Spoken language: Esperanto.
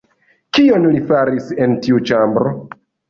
Kion li faris en tiu ĉambro?